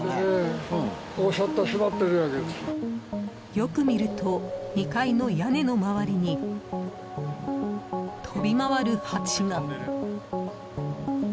よく見ると２階の屋根の周りに飛び回るハチが。